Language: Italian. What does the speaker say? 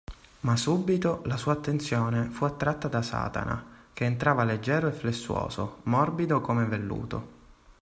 Ma subito la sua attenzione fu attratta da Satana, che entrava leggero e flessuoso, morbido come velluto.